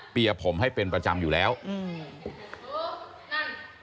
เปียผมให้เป็นประจำอยู่แล้วอืม